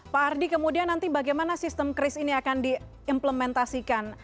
pak ardi kemudian nanti bagaimana sistem kris ini akan diimplementasikan